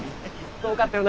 遠かったよな。